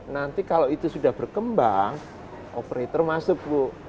nanti kalau itu sudah berkembang operator masuk bu